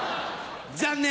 残念！